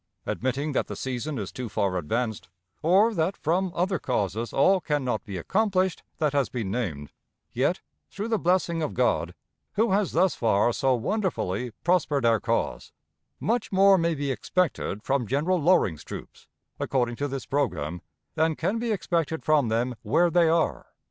Admitting that the season is too far advanced, or that from other causes all can not be accomplished that has been named, yet, through the blessing of God, who has thus far so wonderfully prospered our cause, much more may be expected from General Loring's troops, according to this programme, than can be expected from them where they are.